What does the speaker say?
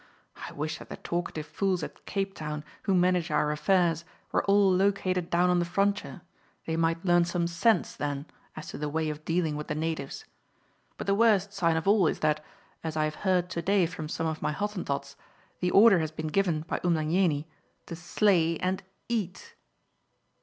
I wish that the talkative fools at Cape Town who manage our affairs were all located down on the frontier; they might learn some sense then as to the way of dealing with the natives. But the worst sign of all is that, as I have heard to day from some of my Hottentots, the order has been given by Umlanjeni to slay and eat."